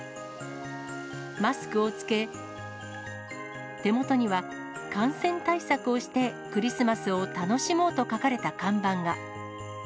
マスクを着け、手元には、感染対策をして、クリスマスを楽しもうと書かれた看板が。